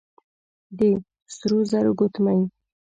د سرو زرو ګوتمۍ،